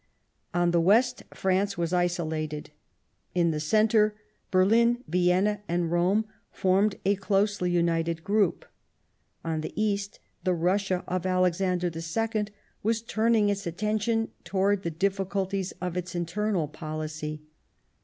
On the west France was isolated ; in the centre, Berlin, Vienna and Rome formed a closely united group ; on the east, the Russia of Alexander II was turning its attention towards the difficulties of its internal policy.